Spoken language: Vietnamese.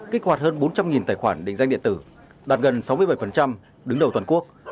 kích hoạt hơn bốn trăm linh tài khoản định danh điện tử đạt gần sáu mươi bảy đứng đầu toàn quốc